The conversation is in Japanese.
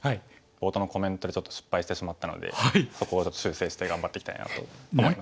冒頭のコメントでちょっと失敗してしまったのでそこを修正して頑張っていきたいなと思います。